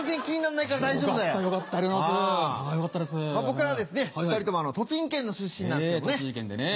僕らは２人とも栃木県の出身なんですけどもね。